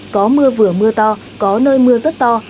có mưa vừa mưa to có nơi mưa rất to